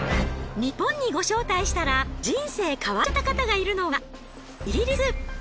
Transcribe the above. ニッポンにご招待したら人生変わっちゃった方がいるのはイギリス。